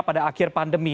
pada akhir pandemi